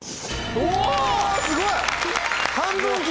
おすごい！